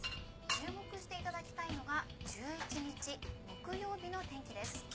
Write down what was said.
注目していただきたいのが１１日木曜日の天気です。